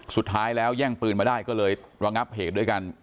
สุดท้ายแล้วแย่งปืนมาได้ก็เลยระงับเหตุด้วยกัน